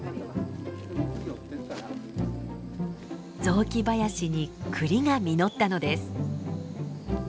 雑木林に栗が実ったのです。